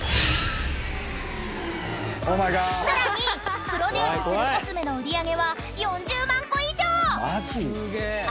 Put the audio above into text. ［さらにプロデュースするコスメの売り上げは４０万個以上！］